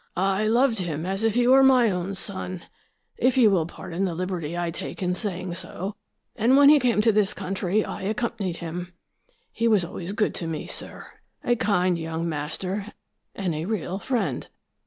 I loved him as if he were my own son, if you will pardon the liberty I take in saying so, and when he came to this country I accompanied him. He was always good to me, sir, a kind young master and a real friend.